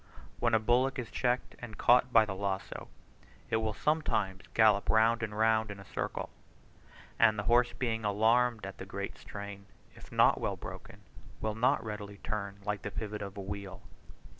When a bullock is checked and caught by the lazo, it will sometimes gallop round and round in a circle, and the horse being alarmed at the great strain, if not well broken, will not readily turn like the pivot of a wheel.